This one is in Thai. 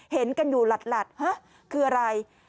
เห็นกันอยู่หลัดคืออะไร